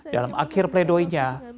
dalam akhir pledoinya